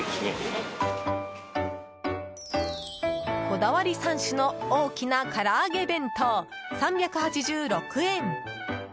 こだわり３種の大きな唐揚げ弁当、３８６円。